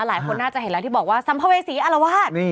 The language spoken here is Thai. หลายคนน่าจะเห็นแล้วที่บอกว่าสัมภเวษีอารวาส